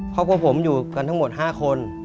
ครอบครัวผมอยู่กันทั้งหมด๕คน